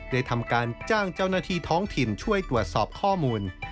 ได้ทำการจ้างเจ้าหน้าที่ท้องถิ่นช่วยตรวจสอบข้อมูล